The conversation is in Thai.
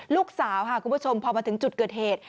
ลูกสาวค่ะคุณผู้ชมพอมาถึงจุดเกิดเหตุ